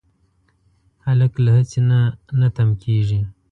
هلک له هڅې نه نه تم کېږي.